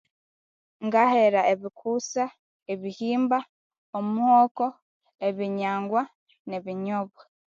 Ngahera ebikusa ebihimba omuhogo ebinyangwa nebinyobwa